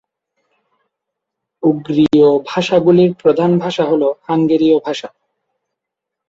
উগ্রীয় ভাষাগুলির প্রধান ভাষা হল হাঙ্গেরীয় ভাষা।